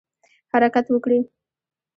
حرکت وکړي.